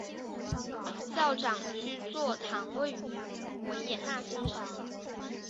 教长区座堂位于维也纳新城。